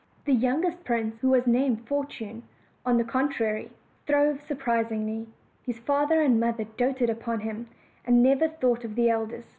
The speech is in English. The youngest prince, who was named Fortune, on the contrary, throve surprisingly: his father and mother doted upon him, and never thought of the eldest.